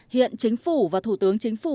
hiện chính phủ và thủ tướng chính phủ